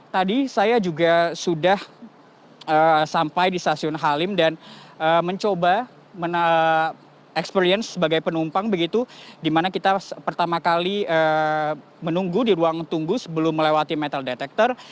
tadi saya juga sudah sampai di stasiun halim dan mencoba experience sebagai penumpang begitu di mana kita pertama kali menunggu di ruang tunggu sebelum melewati metal detector